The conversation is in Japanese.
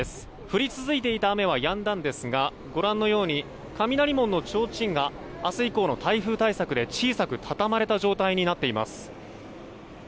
降り続いていた雨はやんだんですがご覧のように雷門のちょうちんが明日以降の台風対策で小さくたたまれた状態になっています。